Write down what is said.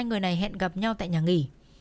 hai người này hẹn gặp nhau tại nhà nghỉ